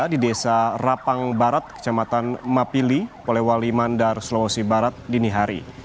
di desa rapang barat kecamatan mapili polewali mandar sulawesi barat dini hari